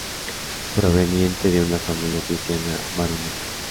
Proveniente de una familia cristiana maronita.